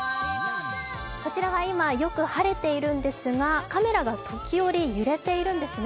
こちらは今、よく晴れているんですがカメラが時折揺れているんですね。